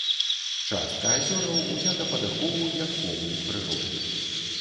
Частка азёраў узята пад ахову як помнік прыроды.